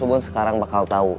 bos bobon sekarang bakal tau